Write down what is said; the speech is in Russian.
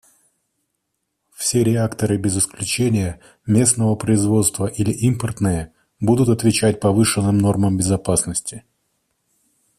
Все реакторы без исключения — местного производства или импортные — будут отвечать повышенным нормам безопасности.